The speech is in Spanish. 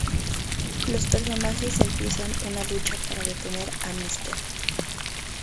Los personajes empiezan una lucha para detener a Mr.